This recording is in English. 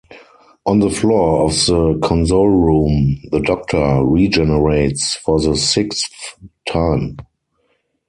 On the floor of the console room, the Doctor regenerates for the sixth time.